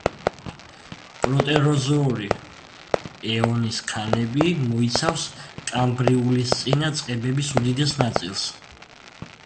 პროტეროზოური ეონის ქანები მოიცავს კამბრიულისწინა წყებების უდიდეს ნაწილს.